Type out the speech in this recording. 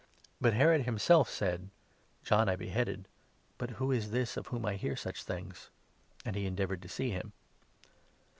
But Herod himself 9 said : "John I beheaded ; but who is this of whom I hear such things ?" And he endeavoured to see him.